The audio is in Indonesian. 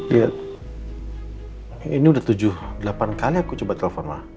lihat ini udah tujuh delapan kali aku coba telepon lah